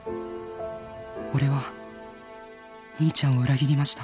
「俺は兄ちゃんを裏切りました」